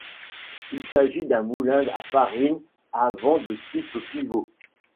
Il s'agit d'un moulin à farine à vent de type pivot.